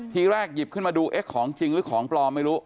ทีแรกหยิบขึ้นมาดูเอ๊ะของจริงหรือของปลอมไม่รู้